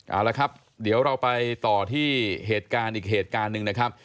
เอาละครับเดี๋ยวเราไปต่อที่เหตุการณ์อีกเหตุการณ์หนึ่งนะครับ